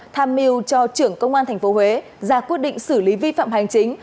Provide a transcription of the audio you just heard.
tham mưu cho trưởng công an thành phố huế ra quyết định xử lý vi phạm hành chính